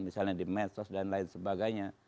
misalnya di medsos dan lain sebagainya